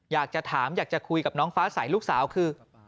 อยากจะถามอยากจะคุยกับน้องฟ้าใสลูกสาวคือ